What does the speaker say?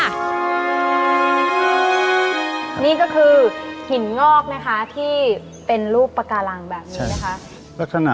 นี่ก็คือหินงอกนะคะที่เป็นรูปปากการังแบบนี้นะคะ